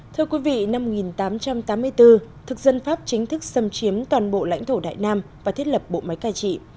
thưa quý vị năm một nghìn tám trăm tám mươi bốn thực dân pháp chính thức xâm chiếm toàn bộ lãnh thổ đại nam và thiết lập bộ máy cai trị